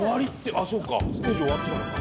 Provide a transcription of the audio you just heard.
あっそうかステージ終わったのか。